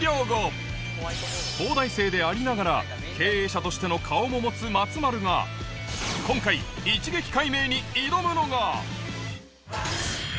東大生でありながら経営者としての顔も持つ松丸が今回突然ですが。